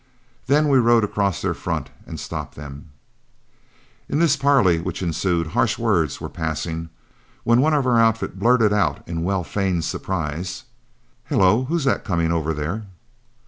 Then we rode across their front and stopped them. In the parley which ensued, harsh words were passing, when one of our outfit blurted out in well feigned surprise, "Hello, who's that, coming over there?"